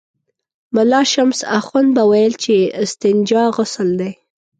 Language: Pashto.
ملا شمس اخند به ویل چې استنجا غسل دی.